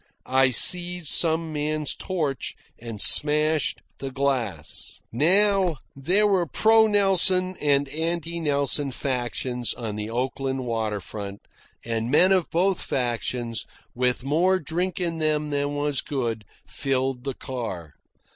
I seized some man's torch and smashed the glass. Now there were pro Nelson and anti Nelson factions on the Oakland water front, and men of both factions, with more drink in them than was good, filled the car.